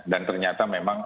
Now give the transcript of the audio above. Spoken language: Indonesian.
dan ternyata memang